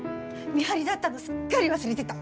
見張りだったのすっかり忘れてた。